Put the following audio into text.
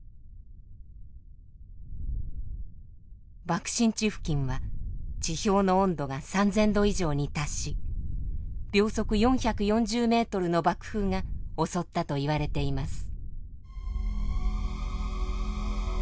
爆心地付近は地表の温度が３，０００度以上に達し秒速４４０メートルの爆風が襲ったといわれています。